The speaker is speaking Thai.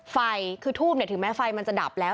ไฟคือทูบถึงแม้ไฟมันจะดับแล้ว